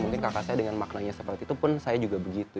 mungkin kakak saya dengan maknanya seperti itu pun saya juga begitu